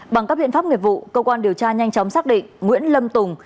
bằng các biện pháp nghiệp vụ công an điều tra nhanh chóng xác định nguyễn lâm tùng